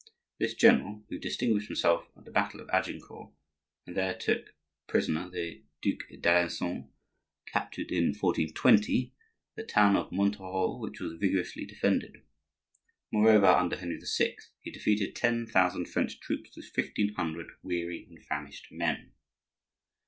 This general, who distinguished himself at the battle of Agincourt, and there took prisoner the Duc d'Alencon, captured, in 1420, the town of Montereau, which was vigorously defended. Moreover, under Henry VI. he defeated ten thousand French troops with fifteen hundred weary and famished men.